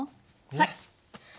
はい。